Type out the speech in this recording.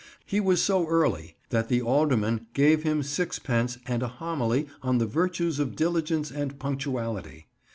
He was so early that the alderman gave him sixpence and a homily on the virtues of diligence and punctuality.